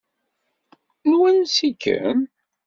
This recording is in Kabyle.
N wansi-kem?